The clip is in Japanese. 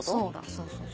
そうそう。